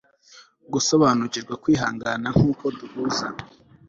gusobanukirwa kwihangana nkuko duhuza